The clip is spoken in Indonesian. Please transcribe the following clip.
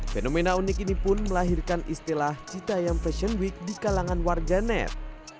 fenomena unik ini pun melahirkan istilah citayam fashion week di kalangan warga net